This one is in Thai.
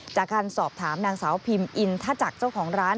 จากการสอบถามนางสาวพิมอินทจักรเจ้าของร้าน